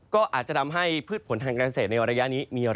ก็อาจจะทำให้พืชผลทางเกษตรในอุ